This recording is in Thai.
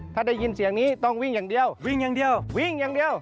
ถ้าได้ยินเสียงนี้ต้องวิ่งอย่างเดียววิ่งอย่างเดียววิ่งอย่างเดียว